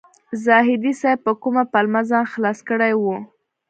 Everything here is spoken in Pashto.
زاهدي صیب په کومه پلمه ځان خلاص کړی و.